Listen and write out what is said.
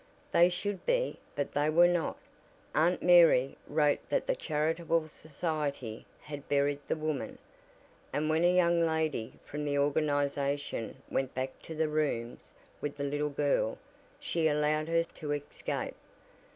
"They should be, but they were not. Aunt Mary wrote that the charitable society had buried the woman, and when a young lady from the organization went back to the rooms with the little girl she allowed her to escape.